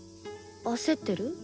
焦ってる？